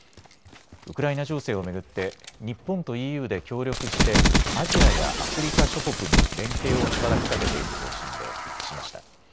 ウクライナ情勢を巡って日本とＥＵで協力してアジアやアフリカ諸国に連携を働きかけていく方針で一致しました。